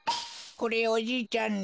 これおじいちゃんに。